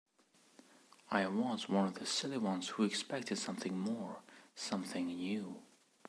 I was one of the silly ones who expected something more, something new...